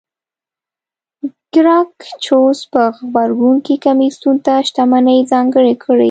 ګراکچوس په غبرګون کې کمېسیون ته شتمنۍ ځانګړې کړې